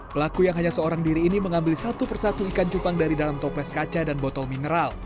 pelaku yang hanya seorang diri ini mengambil satu persatu ikan cupang dari dalam toples kaca dan botol mineral